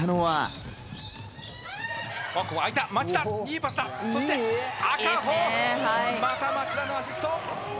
また町田のアシスト。